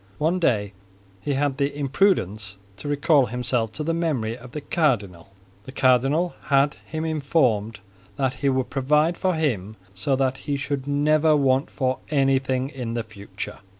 One day he had the imprudence to recall himself to the memory of the cardinal. The cardinal had him informed that he would provide for him so that he should never want for anything in future.